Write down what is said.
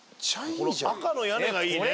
この赤の屋根がいいね。